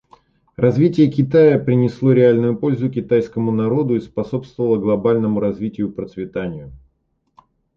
Развитие Китая принесло реальную пользу китайскому народу и способствовало глобальному развитию и процветанию.